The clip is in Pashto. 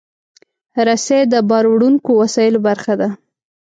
رسۍ د باروړونکو وسایلو برخه ده.